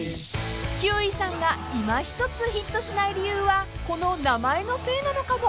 ［ひゅーいさんがいまひとつヒットしない理由はこの名前のせいなのかも］